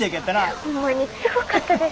ホンマにすごかったです。